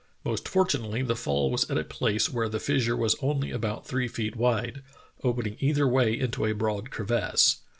Most fortunately the fall was at a place where the fissure was only about three feet wide, opening either way into a broad crev asse.